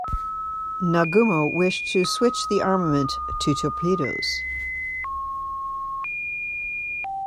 Nagumo wished to switch the armament to torpedoes.